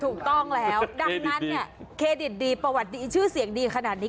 ถูกต้องแล้วดังนั้นเนี่ยเครดิตดีประวัติดีชื่อเสียงดีขนาดนี้